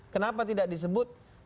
kenapa tidak disebut